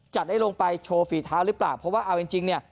จะได้ลงไปโชว์ฝีเท้าหรือเปล่าเพราะว่าเอาจริงเนี่ย